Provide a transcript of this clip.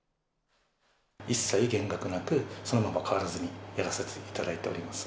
一切減額なく、そのまま変わらずにやらせていただいております。